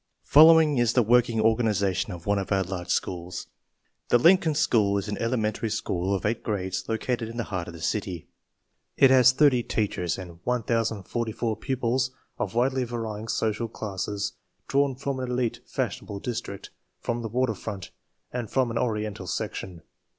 / Following is the working organization of one of our large schools: The Lincoln School is an elementary school of eight grades, located in the heart of the city. It has SO teach ers, and 1044 pupils of widely varying social classes drawn from an elite fashionable district, from the waterfront, and from an Oriental section.